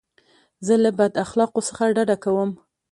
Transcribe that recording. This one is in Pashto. زه له بد اخلاقو څخه ډډه کوم.